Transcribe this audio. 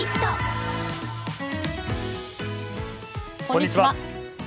こんにちは。